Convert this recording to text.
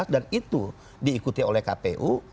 dan itu diikuti oleh kpu